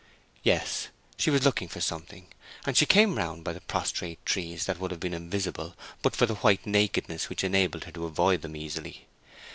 Yes, she was looking for something; and she came round by the prostrate trees that would have been invisible but for the white nakedness which enabled her to avoid them easily.